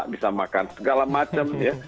bisa makan segala macam ya